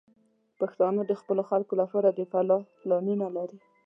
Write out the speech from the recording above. پښتانه د خپلو خلکو لپاره د فلاح پلانونه لري.